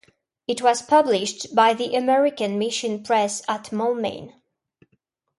It was published by the American Mission Press at Moulmein.